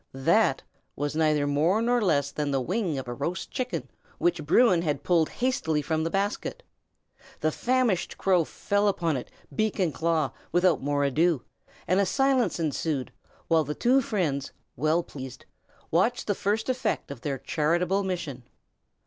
"That" was neither more nor less than the wing of a roast chicken which Bruin had pulled hastily from the basket. The famished crow fell upon it, beak and claw, without more ado; and a silence ensued, while the two friends, well pleased, watched the first effect of their charitable mission.